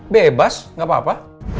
bebas gak apa apa